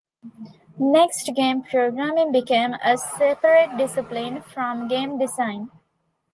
Next game programming became a separate discipline from game design.